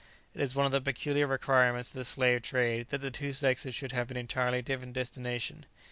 It is one of the peculiar requirements of the slave trade that the two sexes should have an entirely different destination.